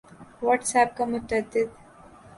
what's app کا متعد